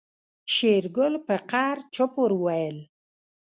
شېرګل په قهر چپ ور وويل.